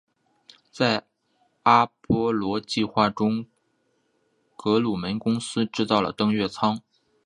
在阿波罗计划中格鲁门公司制造了登月舱。